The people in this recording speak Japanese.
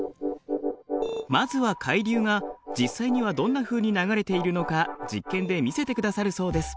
まずは海流が実際にはどんなふうに流れているのか実験で見せてくださるそうです。